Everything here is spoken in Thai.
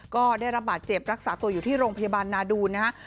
ก็ได้รับบาดเจ็บรักษาตัวอยู่ที่โรงพยาบาลนาดูนนะฮะ